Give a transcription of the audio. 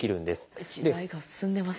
時代が進んでますね。